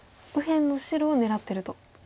右辺の白を狙ってると。